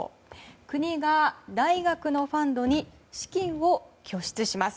国が大学のファンドに資金を拠出します。